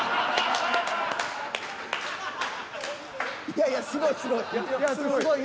いやいやすごいすごい。